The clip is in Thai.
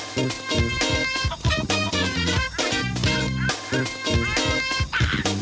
เปล่า